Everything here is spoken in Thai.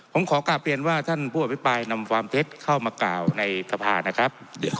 ผมขอกลับเรียนว่าท่านผู้อภิปรายนำความเท็จเข้ามากล่าวในสภานะครับ